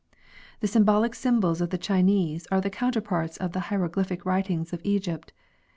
The syllabic symbols of the Chinese are the counterparts of the hieroglyphic writings of Egypt.